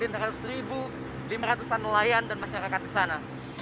terhadap seribu lima ratusan nelayan dan masyarakat di sana